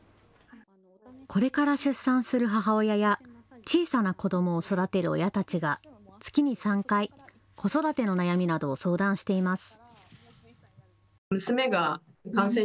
これから出産する母親や小さな子どもを育てる親たちが月に３回、子育ての悩みなどを相談しています。